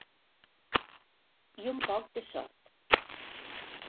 I un poc de sort.